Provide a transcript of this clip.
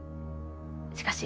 しかし。